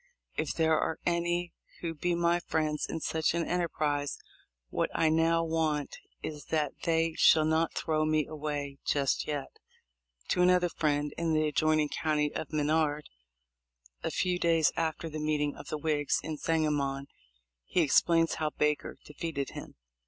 If there are any who be my friends in such an enterprise, what I now want is that they shall not throw me away just yet."* To another friend in the adjoining county of Menard a few days after the meeting of the Whigs in Sangamon, he ex plains how Baker defeated him.